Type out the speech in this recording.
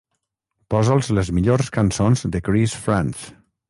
Posa'ls les millors cançons de Chris Frantz.